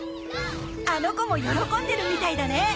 あの子も喜んでるみたいだね！